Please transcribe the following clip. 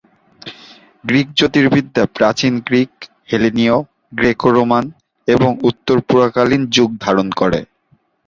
Greek জ্যোতির্বিদ্যা প্রাচীন Greek, হেলেনীয়, গ্রেকো-রোমান এবং উত্তর-পুরাকালীন যুগ ধারণ করে।